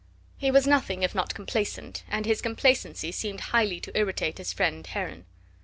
He was nothing if not complacent, and his complacency seemed highly to irritate his friend Heron.